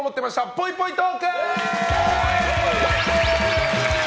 ぽいぽいトーク！